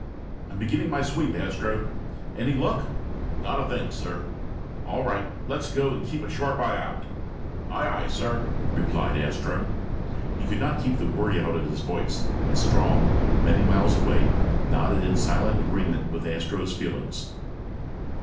"I'm beginning my sweep, Astro. Any luck?" "Not a thing, sir." "All right. Let's go, and keep a sharp eye out." "Aye, aye, sir," replied Astro. He could not keep the worry out of his voice, and Strong, many miles away, nodded in silent agreement with Astro's feelings.